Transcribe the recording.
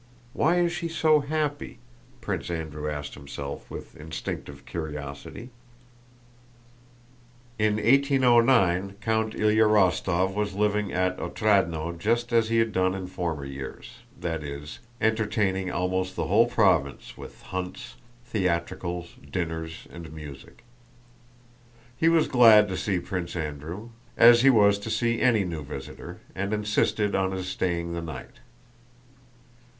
Why is she so happy?" Prince Andrew asked himself with instinctive curiosity. In 1809 Count Ilyá Rostóv was living at Otrádnoe just as he had done in former years, that is, entertaining almost the whole province with hunts, theatricals, dinners, and music. He was glad to see Prince Andrew, as he was to see any new visitor, and insisted on his staying the night.